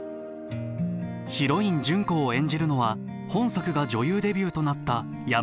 ヒロイン純子を演じるのは本作が女優デビューとなった山口智子。